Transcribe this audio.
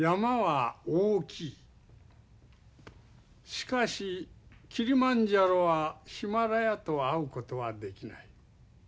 しかしキリマンジャロはヒマラヤと会うことはできない。